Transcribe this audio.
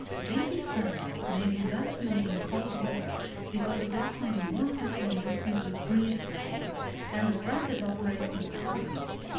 These experiments may be best made in cold weather, because the glass may be more quickly and distinctly breathed upon, and the breath evaporates more suddenly.